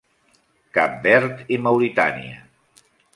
Cap Verd i Mauritània.